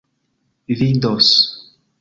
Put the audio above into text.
vidos